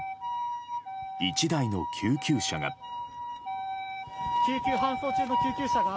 １台の救急車が。